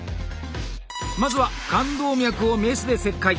まずは冠動脈をメスで切開。